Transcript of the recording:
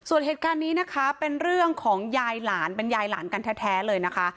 ส่วนเหตุการณ์นี้นะคะเป็นเรื่องของยายหลานเป็นยายหลานกันแท้เลยนะคะ